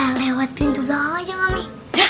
ah kita lewat pintu belakang aja mami